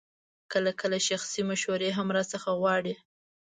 کله کله شخصي مشورې هم راڅخه غواړي.